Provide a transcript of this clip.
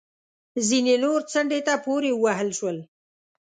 ځینې نور څنډې ته پورې ووهل شول